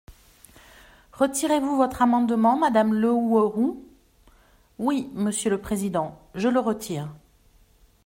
Retirez-vous votre amendement, madame Le Houerou ? Oui, monsieur le président, je le retire.